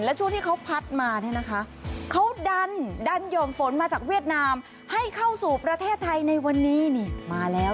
และช่วงที่เขาพัดมาเนี่ยนะคะเขาดันดันห่อมฝนมาจากเวียดนามให้เข้าสู่ประเทศไทยในวันนี้นี่มาแล้ว